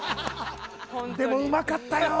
でも、うまかったよ。